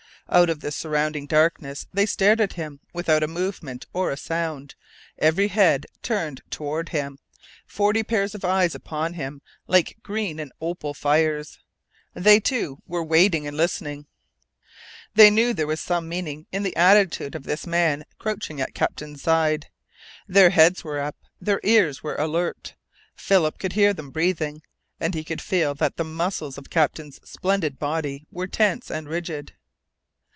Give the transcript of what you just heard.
Out of the surrounding darkness they stared at him without a movement or a sound, every head turned toward him, forty pairs of eyes upon him like green and opal fires. They, too, were waiting and listening. They knew there was some meaning in the attitude of this man crouching at Captain's side. Their heads were up. Their ears were alert. Philip could hear them breathing. And he could feel that the muscles of Captain's splendid body were tense and rigid.